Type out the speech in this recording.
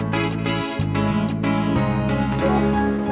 kita akan mencari penumpang yang lebih baik